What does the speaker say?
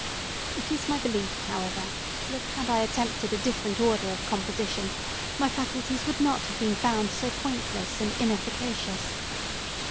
It is my belief, however, that had I attempted a different order of composition, my faculties would not have been found so pointless and inefficacious.